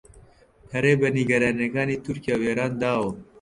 پەرەی بە نیگەرانییەکانی تورکیا و ئێران داوە